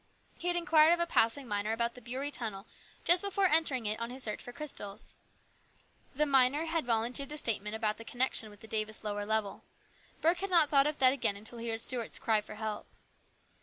He had inquired of a passing miner about the Beury tunnel just before entering it on his search for crystals. The miner had volun teered the statement about the connection with the Davis lower level. Burke had not thought of that again until he heard Stuart's cry for help.